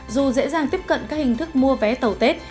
dù dễ dàng tiếp cận các hình thức mua vé tàu tết